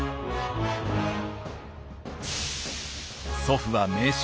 祖父は名将